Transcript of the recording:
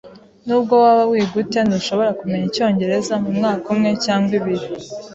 Nubwo waba wiga ute, ntushobora kumenya icyongereza mumwaka umwe cyangwa ibiri.